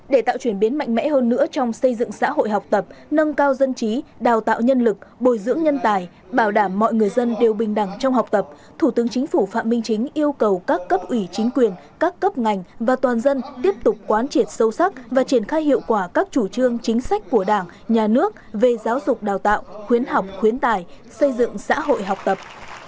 để tạo chuyển biến mạnh mẽ hơn nữa trong xây dựng xã hội học tập nâng cao dân trí đào tạo nhân lực bồi dưỡng nhân tài bảo đảm mọi người dân đều bình đẳng trong học tập thủ tướng chính phủ phạm minh chính yêu cầu các cấp ủy chính quyền các cấp ngành và toàn dân tiếp tục quán triệt sâu sắc và triển khai hiệu quả các chủ trương chính sách của đảng nhà nước về giáo dục đào tạo khuyến học khuyến tài xây dựng xã hội học tập